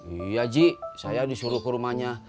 iya ji saya disuruh ke rumahnya